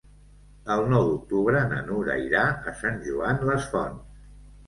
El nou d'octubre na Nura irà a Sant Joan les Fonts.